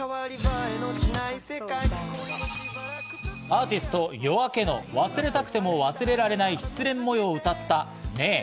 アーティスト・ＹＯＡＫＥの忘れたくても忘れられない失恋模様を歌った『ねぇ』。